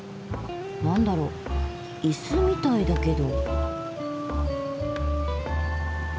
なんだろう？椅子みたいだけど。